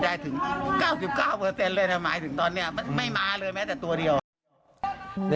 หมายถึงตอนนี้ไม่มาเลยแม้แต่ตัวเดียว